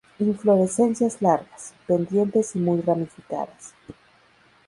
Inflorescencias largas, pendientes y muy ramificadas.